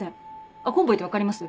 あっコンボイって分かります？